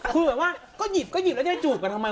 คือแบบว่าก็หยิบก็หยิบแล้วจะจูบกันทำไม